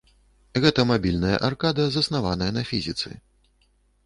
Гэта мабільная аркада заснаваная на фізіцы.